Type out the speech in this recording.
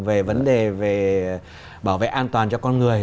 về vấn đề về bảo vệ an toàn cho con người